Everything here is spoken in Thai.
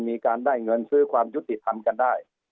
มีการได้เงินซื้อความยุติธรรมกันได้